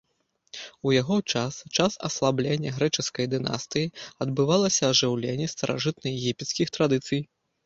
У яго час, час аслаблення грэчаскай дынастыі, адбывалася ажыўленне старажытнаегіпецкіх традыцый.